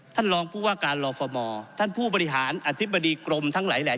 ท่านรองผู้ว่าการลอฟมท่านผู้บริหารอธิบดีกรมทั้งหลายแหละ